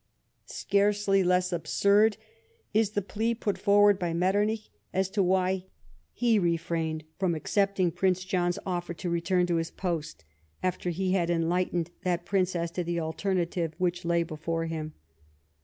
Scarcely less absurd is the plea put forward by jNIetternich as to ^^■hy he refrained from accepting Prince John's offer to return to his post, after he had enlightened that Prince as to the alternative which lay before him.